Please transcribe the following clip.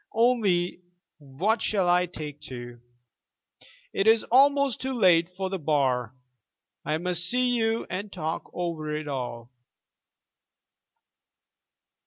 Only what shall I take to? It is almost too late for the Bar. I must see you and talk over it all.